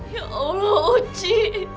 ya allah uci